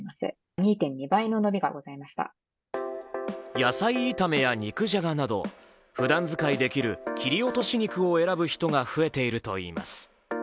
野菜炒めや肉じゃがなどふだん使いできる切り落とし肉を選ぶ人が増えているといいます。